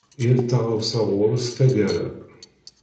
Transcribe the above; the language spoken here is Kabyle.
Yal taɣawsa ɣur-s taggara.